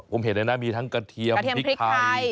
ผมเห็นเลยนะมีทั้งกระเทียมพริกไทย